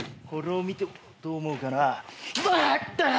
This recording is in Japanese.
これを見てどう思うかな。